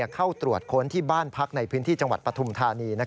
เข้าตรวจค้นที่บ้านพักในพื้นที่จังหวัดปฐุมธานี